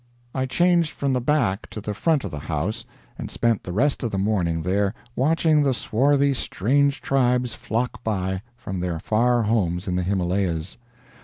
I changed from the back to the front of the house and spent the rest of the morning there, watching the swarthy strange tribes flock by from their far homes in the Himalayas.